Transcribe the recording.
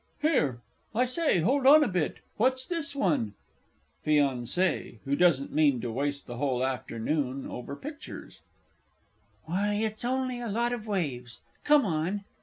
Here, I say, hold on a bit what's this one? FIANCÉE (who doesn't mean to waste the whole afternoon over pictures). Why, it's only a lot of waves come on!